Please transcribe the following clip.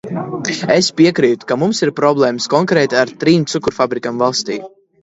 Es piekrītu, ka mums ir problēmas konkrēti ar trim cukurfabrikām valstī.